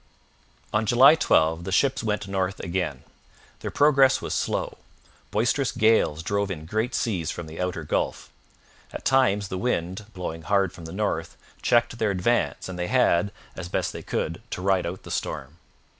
On July 12 the ships went north again. Their progress was slow. Boisterous gales drove in great seas from the outer Gulf. At times the wind, blowing hard from the north, checked their advance and they had, as best they could, to ride out the storm.